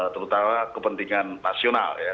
terutama kepentingan nasional ya